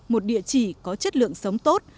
một địa chỉ có chất lượng sống tốt